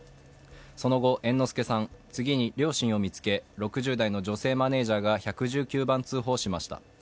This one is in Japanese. その後猿之助さん、次に両親を見つけ６０代の女性マネージャーが１１９番通報しました。